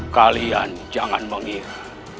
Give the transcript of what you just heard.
kalian jangan mengira